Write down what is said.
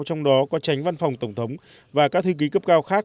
trong đó có tránh văn phòng tổng thống và các thư ký cấp cao khác